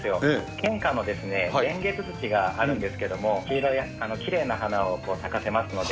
県花のレンゲツツジがあるんですけれども、黄色やきれいな花を咲かせますので。